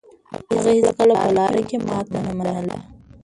هغه هيڅکله په لاره کې ماتې نه منله.